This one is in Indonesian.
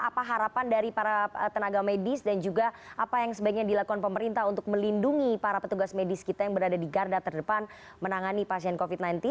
apa harapan dari para tenaga medis dan juga apa yang sebaiknya dilakukan pemerintah untuk melindungi para petugas medis kita yang berada di garda terdepan menangani pasien covid sembilan belas